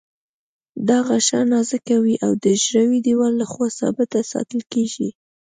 دا غشا نازکه وي او د حجروي دیوال له خوا ثابته ساتل کیږي.